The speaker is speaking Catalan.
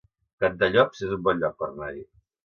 Cantallops es un bon lloc per anar-hi